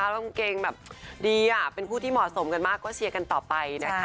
กางเกงแบบดีเป็นผู้ที่เหมาะสมกันมากก็เชียร์กันต่อไปนะคะ